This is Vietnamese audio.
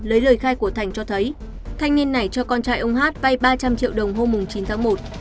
lấy lời khai của thành cho thấy thanh niên này cho con trai ông hát vay ba trăm linh triệu đồng hôm chín tháng một